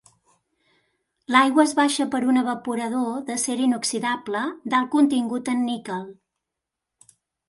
L'aigua es baixa per un evaporador d'acer inoxidable d'alt contingut en níquel.